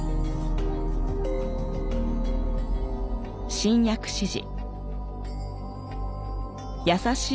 新薬師寺。